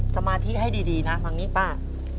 สมาธิให้ดีนะฟังนี่ป้า